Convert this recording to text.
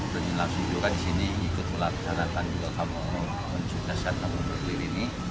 berjelang juga disini ikut melaksanakan juga kampung kampung penyelidikan kampung bekelir ini